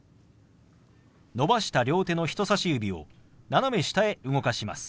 伸ばした両手の人さし指を斜め下へ動かします。